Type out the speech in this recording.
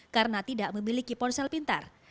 karena tidak memiliki ponsel pintar